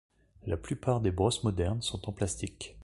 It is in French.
La plupart des brosses modernes sont en plastique.